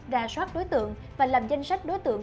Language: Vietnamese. ra soát đối tượng và làm danh sách đối tượng